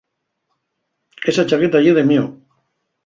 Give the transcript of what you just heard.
Esa chaqueta ye de mio.